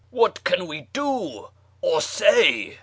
What can we do or say